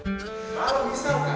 kalau misalkan ada pohon yang tidak